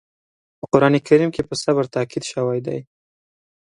په قرآن کریم کې په صبر تاکيد شوی دی.